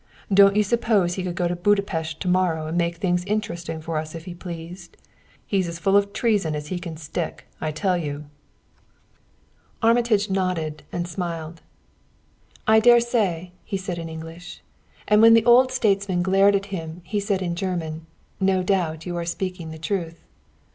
Don't you suppose he could go to Budapest tomorrow and make things interesting for us if he pleased? He's as full of treason as he can stick, I tell you." Armitage nodded and smiled. "I dare say," he said in English; and when the old statesman glared at him he said in German: "No doubt you are speaking the truth."